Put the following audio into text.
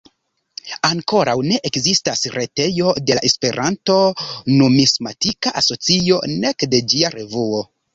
Ankoraŭ ne ekzistas retejo de la Esperanto-Numismatika Asocio, nek de ĝia revuo.